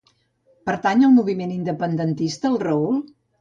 Pertany al moviment independentista el Raül?